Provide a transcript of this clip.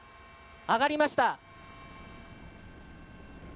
上がりました。